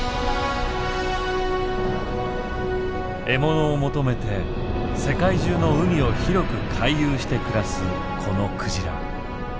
獲物を求めて世界中の海を広く回遊して暮らすこのクジラ。